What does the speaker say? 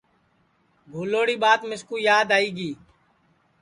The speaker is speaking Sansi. بھولوری ٻات مِسکُو یاد آئی گی